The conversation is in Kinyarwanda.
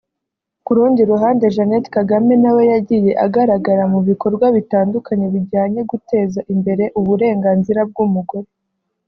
ku rundi ruhande Jeannette Kagame nawe yagiye agaragara mu bikorwa bitandukanye bijyanye guteza imbere uburenganzira bw’umugore